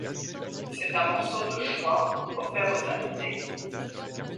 C'est un morceau de choix, offert aux invités.